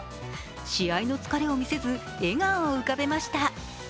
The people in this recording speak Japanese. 試合の疲れを見せず、笑顔を浮かべました。